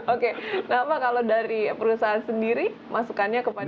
oke nah pak kalau dari perusahaan sendiri masukannya kepada